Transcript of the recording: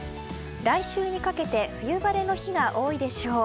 来週にかけて冬晴れの日が多いでしょう。